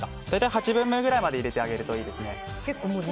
大体８分目くらいまで入れてあげるといいですね。